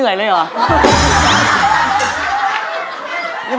ให้คุณมาพริก